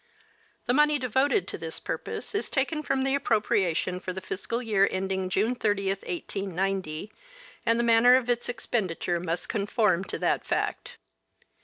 The money devoted to this purpose is taken from the appropriation for the fiscal year ending June 30, 1890, and the manner of its expenditure must conform to that fact.